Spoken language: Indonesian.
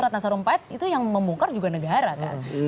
ratna sarumpait itu yang membongkar juga negara kan